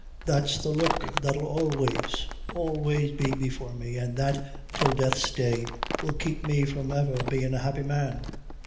That's the look that'll always, always be before me, an' that, 'till death's day, will keep me from ever bein' a happy man."